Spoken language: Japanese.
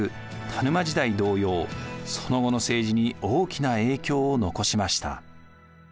田沼時代同様その後の政治に大きな影響を残しました。